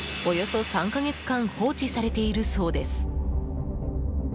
およそ３か月間放置されているそうです。